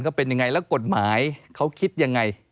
เขาเป็นยังไงแล้วกฎหมายเขาคิดยังไง